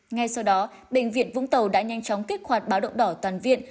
ngay sau đó bệnh viện vũng tàu đã nhanh chóng kích hoạt báo động đỏ toàn viện